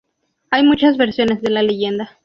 Hay muchas versiones de la leyenda.